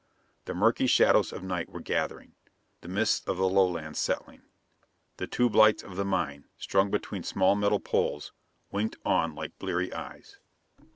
The murky shadows of night were gathering, the mists of the Lowlands settling. The tube lights of the mine, strung between small metal poles, winked on like bleary eyes.